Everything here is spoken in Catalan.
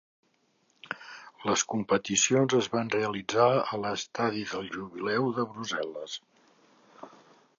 Les competicions es van realitzar l'Estadi del Jubileu de Brussel·les.